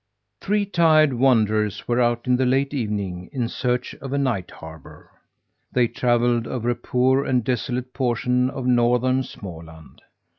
Three tired wanderers were out in the late evening in search of a night harbour. They travelled over a poor and desolate portion of northern Småland.